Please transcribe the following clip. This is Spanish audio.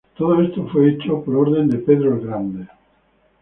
Todo esto fue hecho por orden de Pedro el Grande.